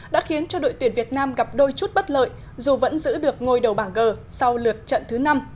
đã khiến cho đội tuyển việt nam gặp đôi chút bất lợi dù vẫn giữ được ngôi đầu bảng g sau lượt trận thứ năm